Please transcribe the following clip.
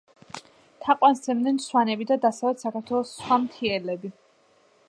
თაყვანს სცემდნენ სვანები და დასავლეთ საქართველოს სხვა მთიელები.